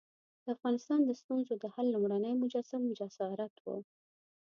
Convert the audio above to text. د افغانستان د ستونزو د حل لومړنی مجسم جسارت وو.